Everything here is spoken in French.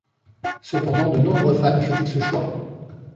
Cependant de nombreux fans critiquent ce choix.